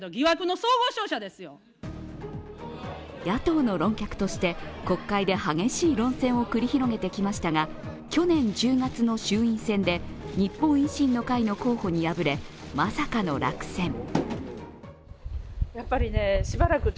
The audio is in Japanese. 野党の論客として、国会で激しい論戦を繰り広げてきましたが、去年１０月の衆院選で日本維新の会の候補に敗れ、まさかの落選。